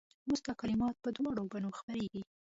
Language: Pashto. اوس دا کلمات په دواړو بڼو خپرېږي.